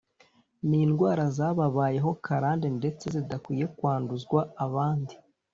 ni indwara zababayeho karande ndetse zidakwiye kwanduzwa abandi